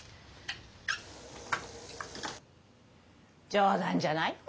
冗談じゃないよ